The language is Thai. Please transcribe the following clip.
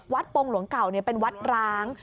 ปงหลวงเก่าเป็นวัดร้าง